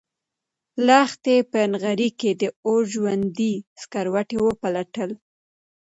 لښتې په نغري کې د اور ژوندي سکروټي وپلټل.